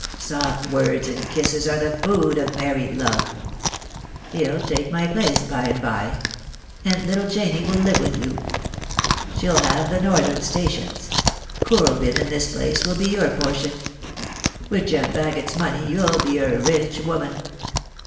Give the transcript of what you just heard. Soft words and kisses are the food of married lov& ... He'll take my place by and by, and little Janie will live with you. She'll have the northern stations ; Kooralbyn and this place will be your portion. With Jem Bagot's money you'll be a rich woman.